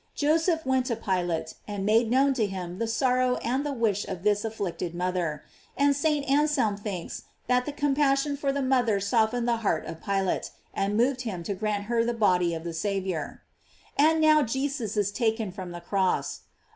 Joseph went to Pilate, and made known to him the sorrow and the wish of this afflicted mother; and St. Anselrn thinks that com passion for the mother softened the heart of Pi late, and moved him to grant her the body. of the Saviour. And now Jesus is taken from the cross.